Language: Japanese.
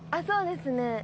そうですね。